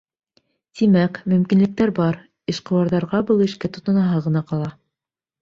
Тимәк, мөмкинлектәр бар, эшҡыуарҙарға был эшкә тотонаһы ғына ҡала.